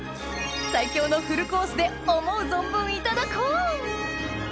最強のフルコースで思う存分いただこう！